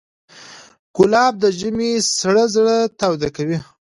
ګلاب د ژمي سړه زړه تاوده کوي.